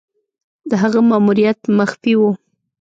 د هغه ماموریت مخفي وو.